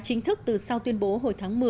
chính thức từ sau tuyên bố hồi tháng một mươi